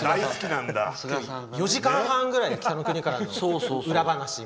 ４時間半ぐらい「北の国から」の裏話を。